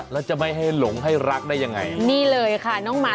แล้วจะไม่ให้หลงให้รักได้ยังไงนี่เลยค่ะน้องหมา